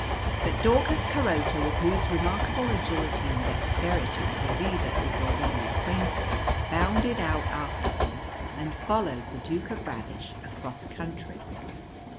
But Daucus Carota with whose remarkable agility and dexterity the reader is already acquainted bounded out after him, and followed the Duke of Radish across country.